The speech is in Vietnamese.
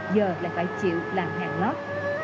giờ lại phải chịu làm hàng lót